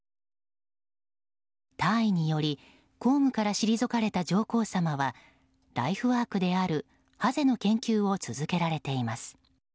退位により公務から退かれた上皇さまはライフワークであるハゼの研究を続けられています。